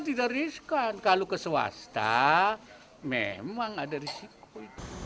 pemerintah tidak risiko kalau ke swasta memang ada risiko